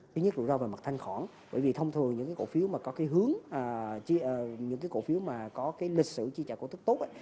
thứ nhất là mặt thanh khỏng bởi vì thông thường những cổ phiếu có lịch sử chi trả cổ tức tốt